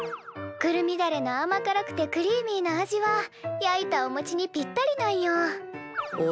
くるみだれの甘辛くてクリーミーな味は焼いたおもちにぴったりなんよ。